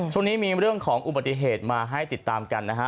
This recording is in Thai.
ช่วงนี้มีเรื่องของอุบัติเหตุมาให้ติดตามกันนะฮะ